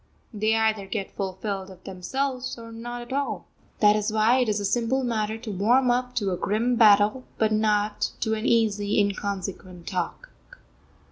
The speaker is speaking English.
They either get fulfilled of themselves, or not at all. That is why it is a simple matter to warm up to a grim battle, but not to an easy, inconsequent talk.